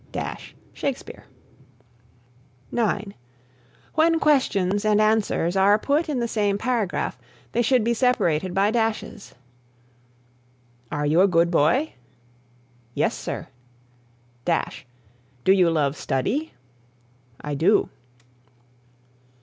Shakespeare. (9) When questions and answers are put in the same paragraph they should be separated by dashes: "Are you a good boy? Yes, Sir. Do you love study? I do."